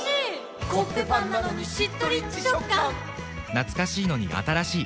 懐かしいのに新しい。